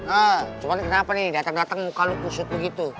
eh cuma kenapa nih dateng dateng muka lu kusut begitu